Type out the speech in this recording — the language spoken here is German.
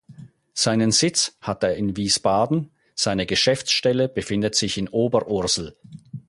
Seinen Sitz hat er in Wiesbaden, seine Geschäftsstelle befindet sich in Oberursel.